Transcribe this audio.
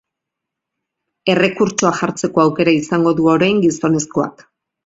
Errekurtsoa jartzeko aukera izango du orain gizonezkoak.